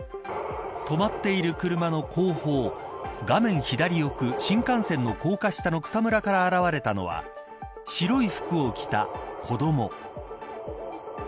止まっている車の後方画面左奥、新幹線の高架下の草むらから現れたのは白い服を着た子ども。